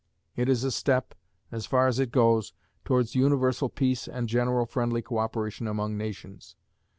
It is a step, as far as it goes, towards universal peace and general friendly co operation among nations.